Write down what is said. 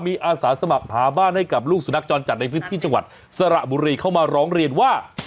มีอาสาสมัครหาบ้านให้กับลูกสุนัขจรจัดในพื้นที่จังหวัดสระบุรีเข้ามาร้องเรียนว่า